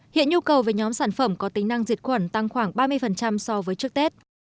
hiện nhu cầu về nhóm sản phẩm có tính năng diệt khuẩn tăng khoảng ba mươi so với trước tết